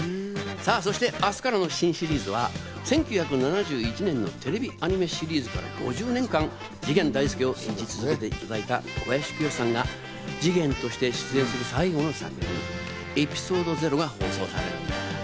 そして明日からの新シリーズは１９７１年のテレビアニメシリーズから５０年間、次元大介を演じ続けた小林清志さんが次元として出演する最後の作品「ＥＰＩＳＯＤＥ０」が放送されるんだ。